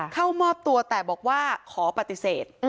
เข้ามอบตัวแต่บอกว่าขอปฏิเสธ